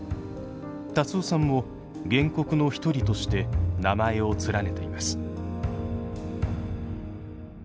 辰雄さんも原告の一人として名前を連ねています。